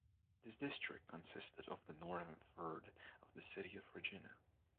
This district consisted of the northern third of the city of Regina.